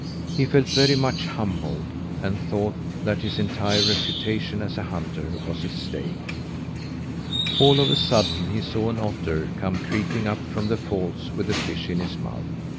He felt very much humbled, and thought that his entire reputation as a hunter was at stake. All of a sudden, he saw an otter come creeping up from the falls with a fish in his mouth.